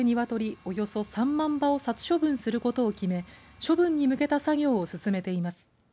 およそ３万羽を殺処分することを決め処分に向けた作業を進めています。